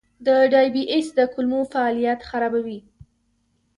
د ډایبی ایس د کولمو فعالیت خرابوي.